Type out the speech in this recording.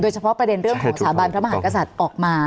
เฉพาะประเด็นเรื่องของสถาบันพระมหากษัตริย์ออกมา